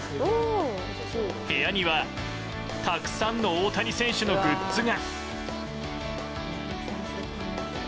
部屋にはたくさんの大谷選手のグッズが。